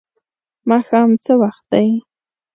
ماښام څه وخت دی؟